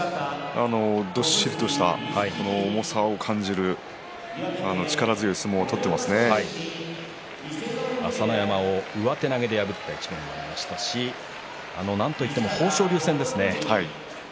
どっしりとした重さを感じる朝乃山を上手投げで破った一番がありましたしなんといっても豊昇龍戦ですね